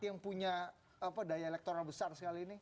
yang punya daya elektoral besar sekali ini